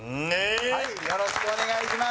よろしくお願いします。